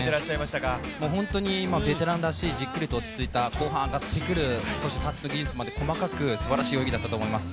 本当にベテランらしい、じっくりと落ち着いた、そして後半上がってくる、そしてタッチの技術まで細かくすばらしい泳ぎだったと思います。